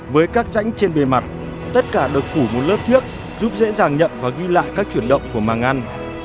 với các rãnh trên bề mặt tất cả được phủ một lớp thiết giúp dễ dàng nhận và ghi lại các chuyển động của màng ăn